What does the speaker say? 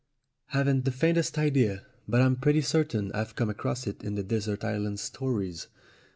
"Haven't the faintest idea; but I'm pretty certain I've come across it in the desert island stories.